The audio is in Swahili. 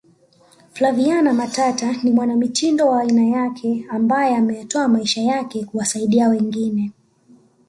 Flaviana Matata ni mwanamitindo wa aina yake ambae ameyatoa maisha yake kuwasaidia wengine